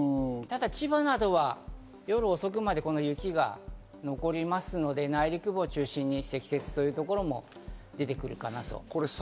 ただ千葉などは夜遅くまでこの雪が残りますので、内陸部を中心に積雪というところも出てくるかなと。